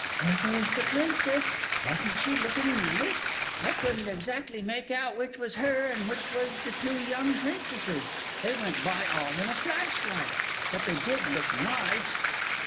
There goes the Princess wasn't she looking nice? I couldn't exactly make out which was her and which was the two young Princesses, they went by all in a flash like, but they did look nice!...